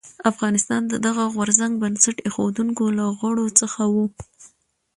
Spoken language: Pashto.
افغانستان د دغه غورځنګ بنسټ ایښودونکو له غړو څخه و.